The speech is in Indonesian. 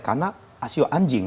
karena siu anjing